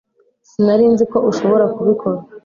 Sinari nzi ko ushobora kubikora